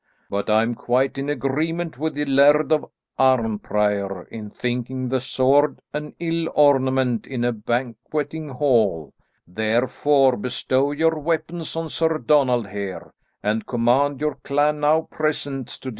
But I am quite in agreement with the Laird of Arnprior in thinking the sword an ill ornament in a banqueting hall, therefore bestow your weapons on Sir Donald here, and command your clan now present to disarm."